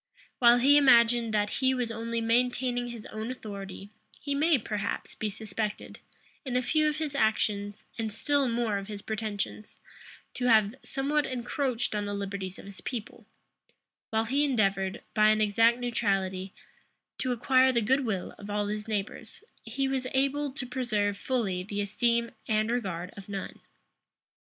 While he imagined that he was only maintaining his own authority, he may, perhaps, be suspected, in a few of his actions, and still more of his pretensions, to have somewhat encroached on the liberties of his people: while he endeavored, by an exact neutrality, to acquire the good will of all his neighbors, he was able to preserve fully the esteem and regard of none.